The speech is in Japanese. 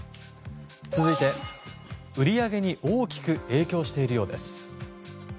続いて、売り上げに大きく影響しているようです。